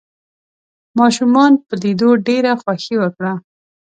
ماشومانو په ليدو ډېره خوښي وکړه.